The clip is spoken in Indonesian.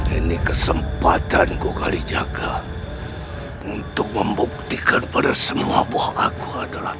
ini kesempatan gua kali jaga untuk membuktikan pada semua buah aku adalah